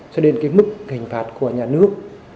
cho đến mức hình phạt của nhà nước